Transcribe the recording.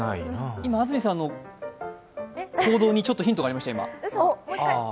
今、安住さんの行動にちょっとヒントがありました。